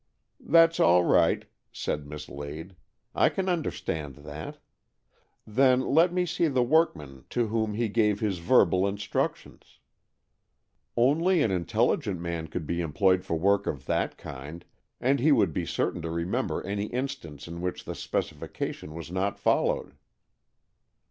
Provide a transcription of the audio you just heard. " That's all right," said Miss Lade. " I can understand that. Then let me see the workman to whom he gave his verbal instruc 132 AN EXCHANGE OF SOULS tions Only an intelligent man could be employed for work of that kind, and he would be certain to remember any instance in which the specification was not followed."